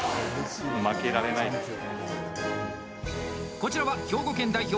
こちらは兵庫県代表